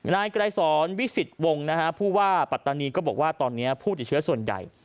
นายไกรสอนวิสิตวงศ์นะฮะผู้ว่าปัตตานีก็บอกว่าตอนนี้ผู้ติดเชื้อส่วนใหญ่